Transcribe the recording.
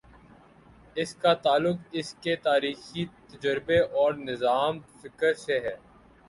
اس کا تعلق اس کے تاریخی تجربے اور نظام فکر سے ہے۔